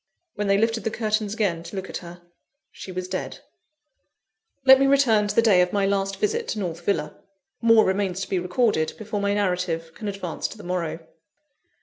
When they lifted the curtains again to look at her, she was dead. Let me return to the day of my last visit to North Villa. More remains to be recorded, before my narrative can advance to the morrow.